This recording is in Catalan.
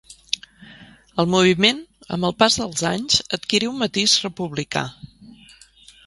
El moviment, amb el pas dels anys, adquirí un matís republicà.